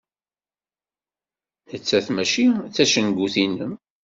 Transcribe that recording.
Nettat mačči d tacengut-inem.